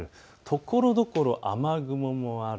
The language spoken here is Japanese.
ところどころ雨雲がある。